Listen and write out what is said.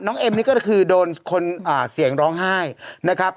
เอ็มนี่ก็คือโดนคนเสียงร้องไห้นะครับ